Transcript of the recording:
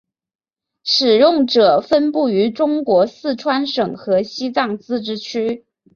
使用者分布于中国四川省和西藏自治区。